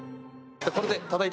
これでたたいて。